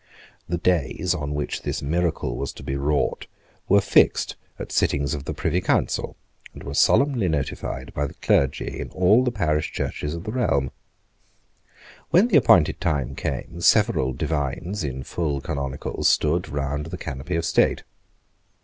The days on which this miracle was to be wrought were fixed at sittings of the Privy Council, and were solemnly notified by the clergy in all the parish churches of the realm, When the appointed time came, several divines in full canonicals stood round the canopy of state.